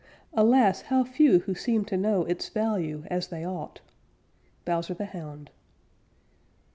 Alas, how few who seem to know Its value as they ought. _Bowser the Hound.